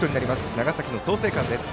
長崎の創成館です。